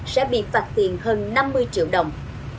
sẽ bị phạt tiền hơn năm mươi triệu đồng